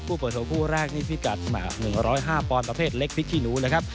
เปิดชมคู่แรกนี่พิกัด๑๐๕ปอนดประเภทเล็กพริกขี้หนูนะครับ